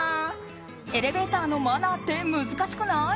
エレベーターのマナーって難しくない？